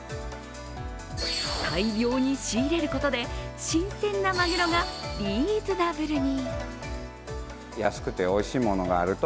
大量の仕入れることで新鮮なまぐろがリーズナブルに。